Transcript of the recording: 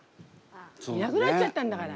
いなくなっちゃったんだから。